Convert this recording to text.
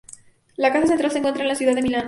La casa central se encuentra en la ciudad de Milán.